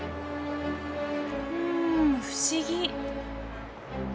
うん不思議。